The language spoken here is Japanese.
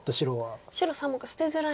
白３目捨てづらい。